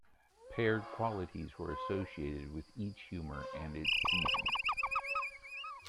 Paired qualities were associated with each humor and its season.